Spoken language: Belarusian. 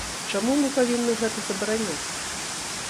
Чаму мы павінны гэта забараняць?